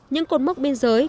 những cột mốc bên dưới